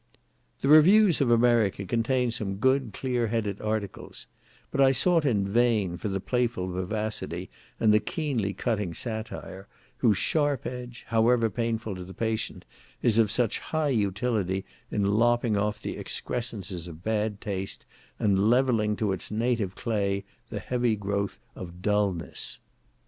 The reviews of America contain some good clear headed articles; but I sought in vain for the playful vivacity and the keenly cutting satire, whose sharp edge, however painful to the patient, is of such high utility in lopping off the excrescences of bad taste, and levelling to its native clay the heavy growth of dulness.